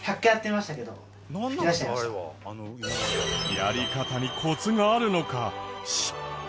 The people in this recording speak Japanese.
やり方にコツがあるのか失敗。